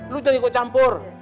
lo jangan ikut campur